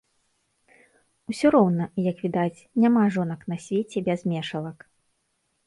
Усё роўна, як відаць, няма жонак на свеце без мешалак.